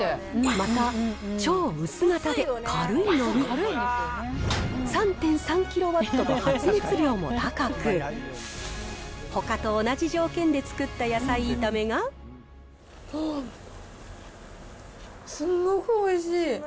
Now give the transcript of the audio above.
また、超薄型で軽いのに、３．３キロワットと発熱量も高く、高く、ほかと同じ条件で作ったすごくおいしい！